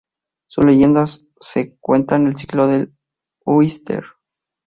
Su leyenda se cuenta en el Ciclo del Ulster.